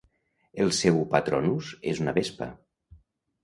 El seu patronus és una vespa.